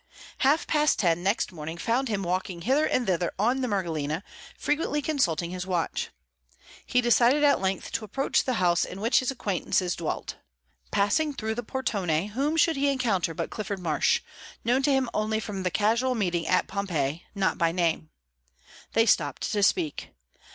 Half past ten next morning found him walking hither and thither on the Mergellina, frequently consulting his watch. He decided at length to approach the house in which his acquaintances dwelt. Passing through the portone, whom should he encounter but Clifford Marsh, known to him only from the casual meeting at Pompeii, not by name. They stopped to speak.